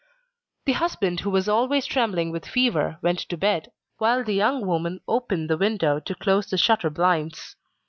The husband who was always trembling with fever went to bed, while the young woman opened the window to close the shutter blinds.